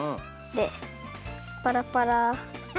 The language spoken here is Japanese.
でパラパラ。